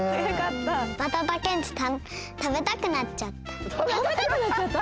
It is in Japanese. バタタ・ケンチたべたくなっちゃった。